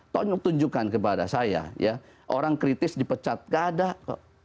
ton tunjukkan kepada saya ya orang kritis dipecat gak ada kok